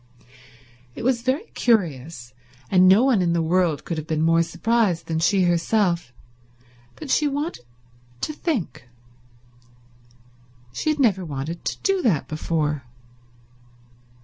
It was very curious, and no one in the world could have been more surprised than she herself, but she wanted to think. She had never wanted to do that before.